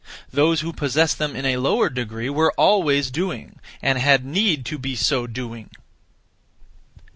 (Those who) possessed them in a lower degree were (always) doing, and had need to be so doing.